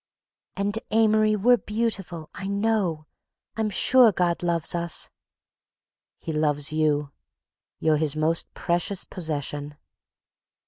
"And, Amory, we're beautiful, I know. I'm sure God loves us—" "He loves you. You're his most precious possession."